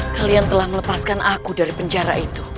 kalian telah melepaskan aku dari penjara itu